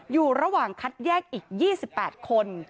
อยู่ระหว่างคัดแยกอีก๒๘คน